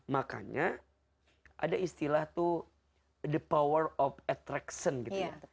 makanya ada istilah tuh the power of attraction gitu ya